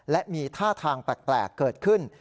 และมีท่าทางแปลกเกิดขึ้น